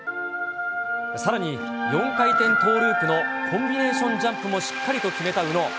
さらに４回転トーループのコンビネーションジャンプもしっかりと決めた宇野。